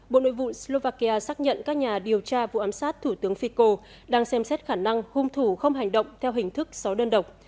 bộ nội vụ slovakia xác nhận các nhà điều tra vụ ám sát thủ tướng fico đang xem xét khả năng hung thủ không hành động theo hình thức sáu đơn độc